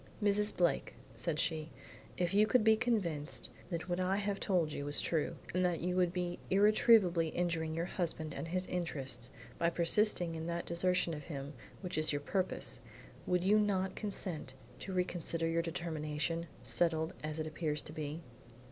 "Mrs. Blake," said she, "if you could be convinced that what I have told you was true, and that you would be irretrievably injuring your husband and his interests, by persisting in that desertion of him which you purpose, would you not consent to reconsider your determination, settled as it appears to be?"